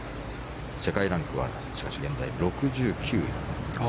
世界ランクは現在６９位。